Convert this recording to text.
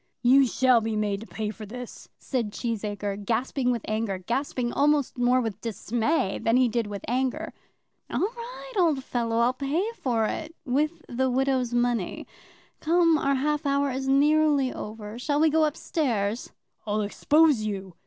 "You shall be made to pay for this," said Cheesacre, gasping with anger; gasping almost more with dismay than he did with anger. "All right, old fellow; I'll pay for it, with the widow's money. Come; our half hour is nearly over; shall we go up stairs?" "I'll expose you."